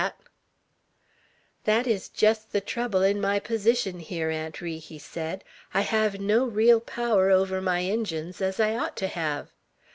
"That is just the trouble in my position here, Aunt Ri," he said. "I have no real power over my Indians, as I ought to have."